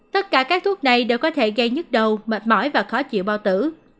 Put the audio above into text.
tất cả các thuốc này đều có thể gây nhức đầu mệt mỏi và khó chịu bao tử